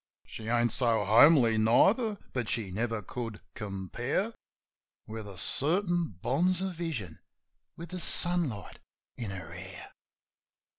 She ain't so homely neither; but she never could compare With a certain bonzer vision with the sunlight in her hair.